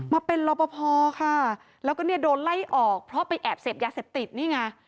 มาเป็นรอปภค่ะแล้วก็เนี่ยโดนไล่ออกเพราะไปแอบเสพยาเสพติดนี่ไง